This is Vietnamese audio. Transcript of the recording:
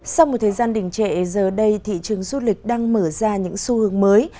sau một thời gian đỉnh trệ giờ đây thị trường du lịch đang mở ra những xu hướng mới